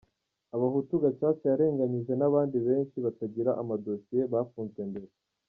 Abahutu Gacaca yarenganyije n’abandi benshi batagira ama dossier bafunzwe mbere